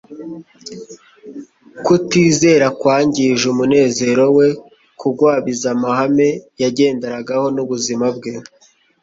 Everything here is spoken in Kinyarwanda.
kutizera kwangije umunezero we, kugwabiza amahame yagenderagaho n'ubuzima bwe